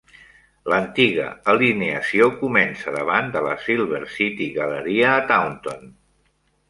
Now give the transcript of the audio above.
L'antiga alineació comença davant de la Silver City Galleria a Taunton.